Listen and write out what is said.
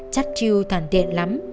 chắc chiêu thần tiện lắm